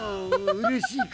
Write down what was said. うれしいか？